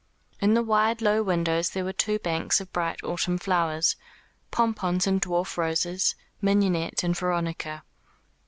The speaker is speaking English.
In the wide low windows there were two banks of bright autumn flowers, pompons and dwarf roses, mignonette and veronica.